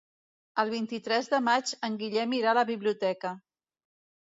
El vint-i-tres de maig en Guillem irà a la biblioteca.